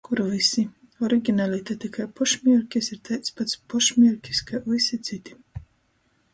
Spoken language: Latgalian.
Kur vysi. Originalitate kai pošmierkis ir taids pats pošmierkis kai vysi cyti.